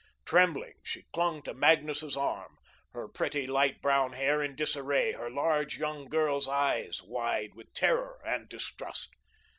Trembling, she clung to Magnus's arm, her pretty light brown hair in disarray, her large young girl's eyes wide with terror and distrust.